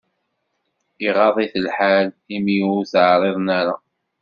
Iɣaḍ-it lḥal imi ur t-εriḍen ara.